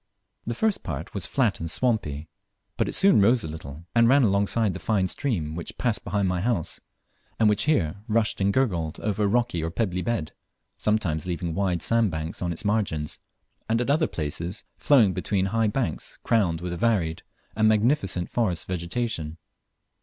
The first part was flat and swampy, but it soon rose a little, and ran alongside the fine stream which passed behind my house, and which here rushed and gurgled over a rocky or pebbly bed, sometimes leaving wide sandbanks on its margins, and at other places flowing between high banks crowned with a varied and magnificent forest vegetation.